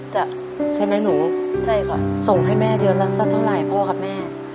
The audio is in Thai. จะใช่ไหมหนูใช่ค่ะส่งให้แม่เดือนละสักเท่าไหร่พ่อกับแม่